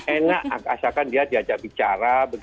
enak asalkan dia diajak bicara